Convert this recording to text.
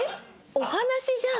お話じゃん！